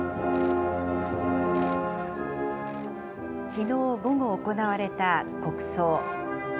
きのう午後行われた国葬。